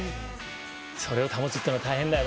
それを保つというのは大変だよね。